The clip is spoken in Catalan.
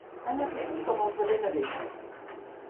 Anar fent, com els de Benavent.